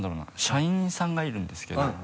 社員さんがいるんですけど。